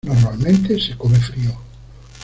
Normalmente se come frío.